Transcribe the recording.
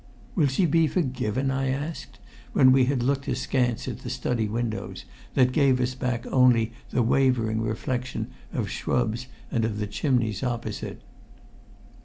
"Will she be forgiven?" I asked, when we had looked askance at the study windows, that gave us back only the wavering reflection of shrubs and of the chimneys opposite.